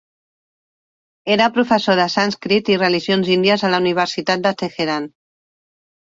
Era professor de sànscrit i religions índies a la Universitat de Teheran.